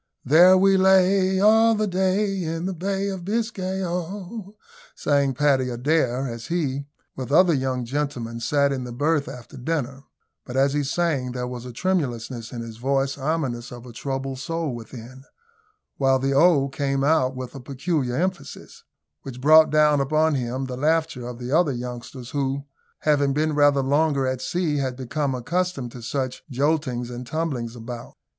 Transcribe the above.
"There we lay all the day, in the Bay of Biscay, oh!" sang Paddy Adair, as he, with other young gentlemen, sat in the berth after dinner; but, as he sang, there was a tremulousness in his voice ominous of a troubled soul within, while the "Oh!" came out with a peculiar emphasis which brought down upon him the laughter of the other youngsters, who, having been rather longer at sea, had become accustomed to such joltings and tumblings about.